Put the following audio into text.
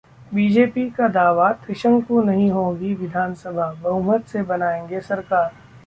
BJP का दावा- त्रिशंकु नहीं होगी विधानसभा, बहुमत से बनाएंगे सरकार